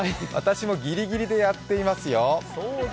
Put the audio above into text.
私もギリギリでやっていますよ。